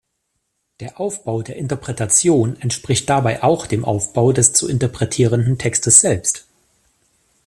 Der Aufbau der Interpretation entspricht dabei auch dem Aufbau des zu interpretierenden Textes selbst.